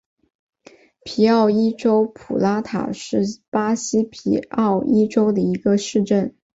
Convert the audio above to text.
皮奥伊州普拉塔是巴西皮奥伊州的一个市镇。